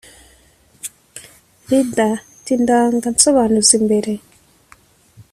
rida te indanga nsobanuzi mbere